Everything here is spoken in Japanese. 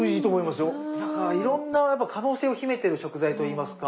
だからいろんな可能性を秘めてる食材といいますか。